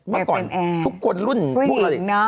มาก่อนทุกคนรุ่นผู้หญิงเนอะ